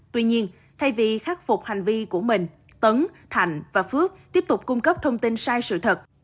tuy nhiên thay vì khắc phục hành vi của mình tấn thạnh và phước tiếp tục cung cấp thông tin sai sự thật